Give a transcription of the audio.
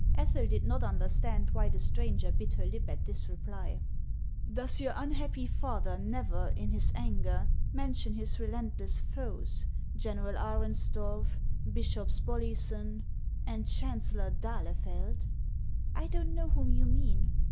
Ethel did not understand why the stranger bit her lip at this reply. 24 370 HAXS OF ICELAND. " Does your unhappy father never, in his anger, mention his relentless foes, General Arensdorf, Bishop Spolleyson, and Chancellor d'Alilefeld ?"" I don't know whom you mean."